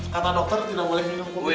kata dokter tidak boleh minum kue